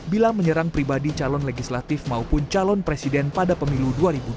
bila menyerang pribadi calon legislatif maupun calon presiden pada pemilu dua ribu dua puluh